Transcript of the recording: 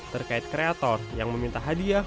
terkait kreator yang meminta hadiah